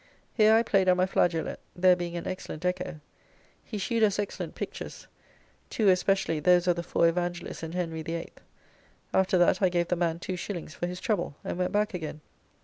Here I played on my flageolette, there being an excellent echo. He shewed us excellent pictures; two especially, those of the four Evangelists and Henry VIII. After that I gave the man 2s. for his trouble, and went back again.